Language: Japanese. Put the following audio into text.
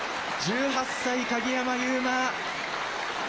１８歳、鍵山優真。